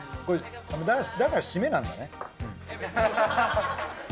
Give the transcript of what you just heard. これだからシメなんだね。